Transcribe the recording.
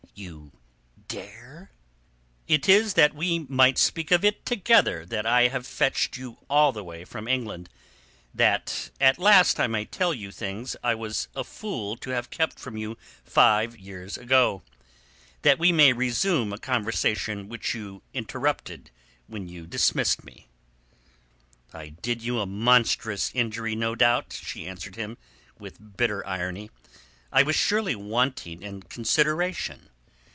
You dare?" "It is that we might speak of it together that I have fetched you all the way from England; that at last I may tell you things I was a fool to have kept from you five years ago; that we may resume a conversation which you interrupted when you dismissed me." "I did you a monstrous injury, no doubt," she answered him, with bitter irony. "I was surely wanting in consideration.